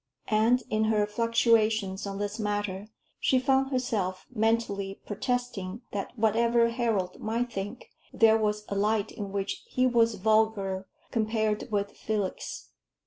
And in her fluctuations on this matter, she found herself mentally protesting that, whatever Harold might think, there was a light in which he was vulgar compared with Felix.